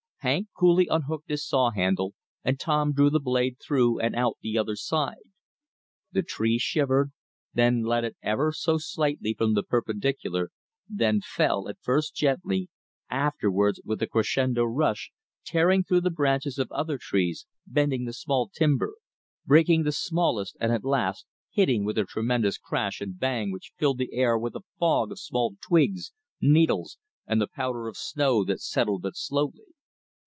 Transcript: Hank coolly unhooked his saw handle, and Tom drew the blade through and out the other side. The tree shivered, then leaded ever so slightly from the perpendicular, then fell, at first gently, afterwards with a crescendo rush, tearing through the branches of other trees, bending the small timber, breaking the smallest, and at last hitting with a tremendous crash and bang which filled the air with a fog of small twigs, needles, and the powder of snow, that settled but slowly.